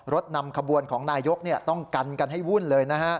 นำขบวนของนายกต้องกันกันให้วุ่นเลยนะฮะ